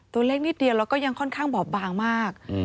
ตัวเล็กนิดเดียวแล้วก็ยังค่อนข้างบอบบางมาก